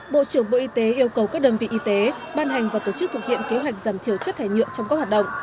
bộ trưởng bộ y tế yêu cầu các đơn vị y tế ban hành và tổ chức thực hiện kế hoạch giảm thiểu chất thải nhựa trong các hoạt động